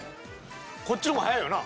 こっちの方が早いよな。